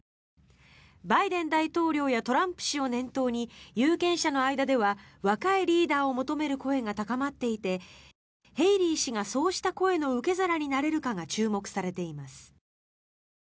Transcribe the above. バイデン大統領やトランプ氏を念頭に有権者の間では若いリーダーを求める声が高まっていてヘイリー氏がそうした声の受け皿になれるかが注目されています。